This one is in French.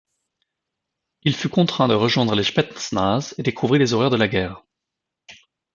Il fut contraint de rejoindre les Spetsnaz et découvrit les horreurs de la guerre.